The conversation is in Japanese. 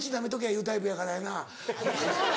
言うタイプやからやな。